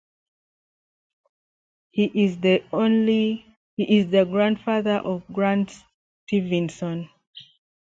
He is the grandfather of Grant Stevenson.